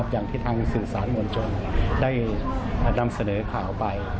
อย่างที่ทางสื่อสารมวลชนได้นำเสนอข่าวไป